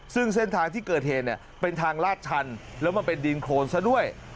ซึ่งเส้นทางที่เกิดเหตุเนี่ยเป็นทางลาดชันแล้วมันเป็นดินโครนซะด้วย